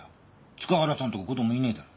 塚原さんとこ子供いねえだろ？